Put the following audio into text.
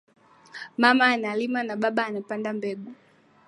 Mama analima na Baba anapanda mbegu.